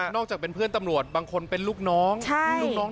นอกจากเป็นเพื่อนตำรวจบางคนเป็นลูกน้อง